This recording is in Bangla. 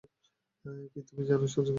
কী তুমি জানো যোগসাধনের?